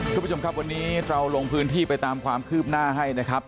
คุณผู้ชมครับวันนี้เราลงพื้นที่ไปตามความคืบหน้าให้นะครับ